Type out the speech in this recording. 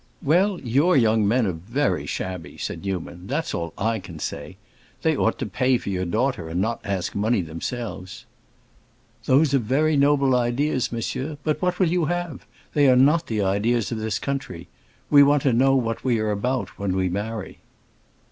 "Well, your young men are very shabby," said Newman; "that's all I can say. They ought to pay for your daughter, and not ask money themselves." "Those are very noble ideas, monsieur; but what will you have? They are not the ideas of this country. We want to know what we are about when we marry."